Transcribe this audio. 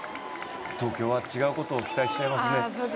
東京は違うことを期待しちゃいますね。